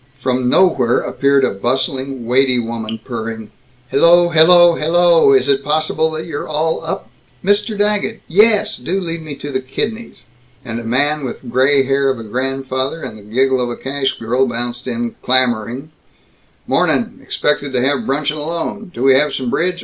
From nowhere appeared a bustling weighty woman, purring, "Hello, hello, hello, is it possible that you're all up Mr. Daggett. Yes, do lead me to the kidneys." And a man with the gray hair of a grandfather and the giggle of a cash girl bounced in clamoring, "Mornin' expected to have bruncheon alone do we have some bridge?